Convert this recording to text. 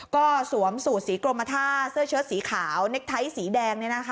ก็สวมสูตรสีกรมท่าเสื้อเชิดสีขาวเน็กไทยสีแดง